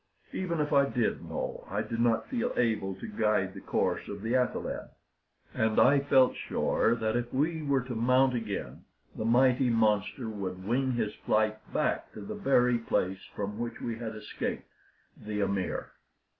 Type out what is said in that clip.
Even if I did know, I did not feel able to guide the course of the athaleb; and I felt sure that if we were to mount again, the mighty monster would wing his flight back to the very place from which we had escaped the amir.